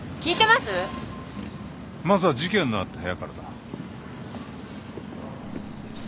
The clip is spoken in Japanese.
まずは事件のあった部屋からだ。